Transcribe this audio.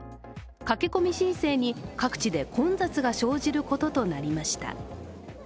駆け込み申請に各地で混雑が生じることとなりました。